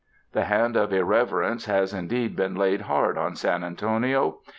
The hand of irreverence has indeed been laid hard on San Antonio.